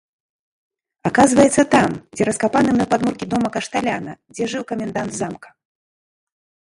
Аказваецца, там, дзе раскапаны мной падмуркі дома кашталяна, дзе жыў камендант замка.